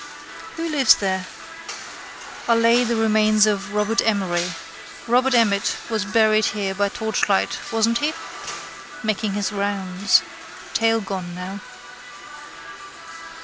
Who lives there? Are laid the remains of Robert Emery. Robert Emmet was buried here by torchlight, wasn't he? Making his rounds. Tail gone now.